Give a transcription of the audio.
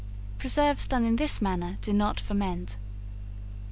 Preserves done in this manner do not ferment.